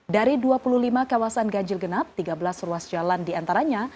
dari dua puluh lima kawasan ganjil genap tiga belas ruas jalan diantaranya